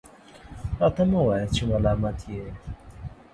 راته مه وایاست چې ملامت یې .